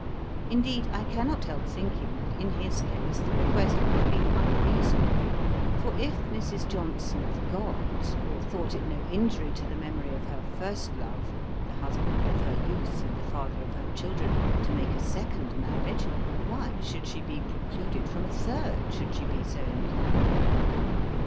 Indeed, I cannot help thinking, that in his case the request would have been unreasonable; for if Mrs. Johnson forgot, or thought it no injury to the memory of her first love, the husband of her youth and the father of her children, to make a second marriage, why should she be precluded from a third, should she be so inclined?